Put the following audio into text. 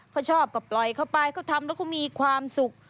เขาชอบก็ปล่อยเข้าไปเขาทำแล้วเขามีความสุข